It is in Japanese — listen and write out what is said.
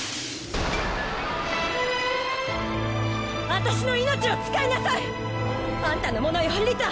私の命を使いなさい！あんたのものよリタ。